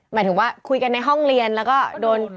หมายถึงว่าคุยกันในห้องเรียนแล้วก็โดน